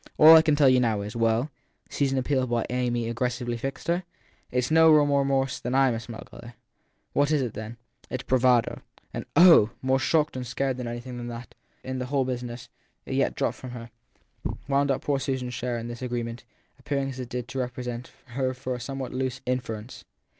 All I can tell you now is Well ? Susan appealed while Amy impressively fixed her. It s no more remorse than / m a smuggler. What is it then? It s bravado. An Oh ! more shocked and scared than any that, in the whole business, had yet dropped from her, wound up poor Susan s share in this agreement, appearing as it did to repre THE THIRD PERSON 275 sent for her a somewhat lurid inference.